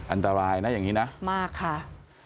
อันตรายนะอย่างนี้นะมากค่ะ